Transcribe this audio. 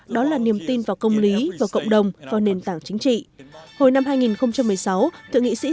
đó là niềm tin vào công lý vào cộng đồng vào nền tảng chính trị hồi năm hai nghìn một mươi sáu thượng nghị sĩ